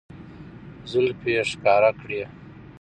زلفې يې ښکاره کړې